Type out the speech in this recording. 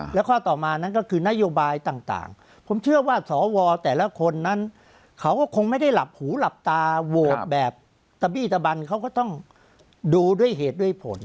แล้วข้อต่อมานั้นก็คือนโยบายต่างผมเชื่อว่าสวแต่ละคนนั้นเขาก็คงไม่ได้หลับหูหลับตาโหวตแบบตะบี้ตะบันเขาก็ต้องดูด้วยเหตุด้วยผล